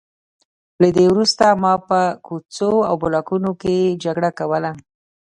له دې وروسته ما په کوڅو او بلاکونو کې جګړه کوله